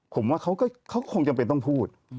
ผมว่าเขาคงจำเป็นต้องพูด